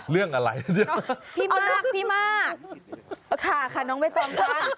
เรื่องอะไรพี่มากค่ะค่ะน้องเว้ยต้น